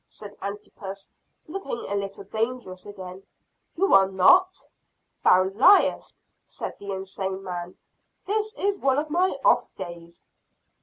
said Antipas, looking a little dangerous again. "You are not." "Thou liest!" said the insane man. "This is one of my off days."